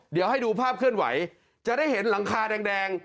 เดี๋ยวให้ดูภาพเคลื่อนไหวจะได้เห็นหลังคาแดง